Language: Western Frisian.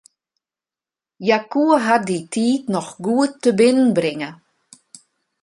Hja koe har dy tiid noch goed tebinnenbringe.